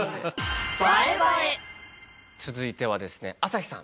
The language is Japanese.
続いてはですね朝日さん！